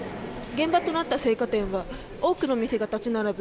現場となった青果店は多くの店が立ち並ぶ